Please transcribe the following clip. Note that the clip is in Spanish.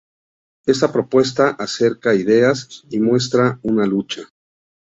Esta propuesta acerca ideas y muestra una lucha.